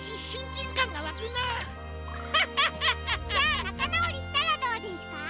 じゃあなかなおりしたらどうですか？